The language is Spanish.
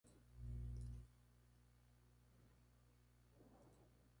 Ella ayudaba a las presentadoras durante las competencias y cuidaba a la "Princesa".